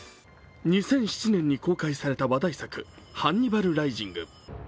２００７年に公開された話題作「ハンニバル・ライジング」。